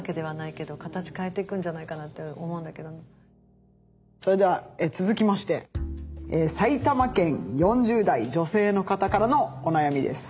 そしたらそれでは続きまして埼玉県４０代女性の方からのお悩みです。